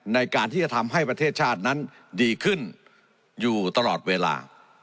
ในการที่จะทำให้ประเทศชาตินั้นดีขึ้นอยู่ตลอดเวลา